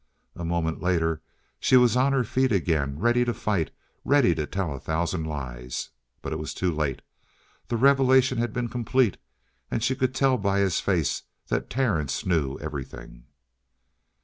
A moment later she was on her feet again, ready to fight, ready to tell a thousand lies. But it was too late. The revelation had been complete and she could tell by his face that Terence knew everything.